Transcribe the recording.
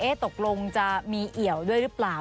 คองวะเอ๊ะตกลงจะมีเหี่ยวด้วยหรือเปล่า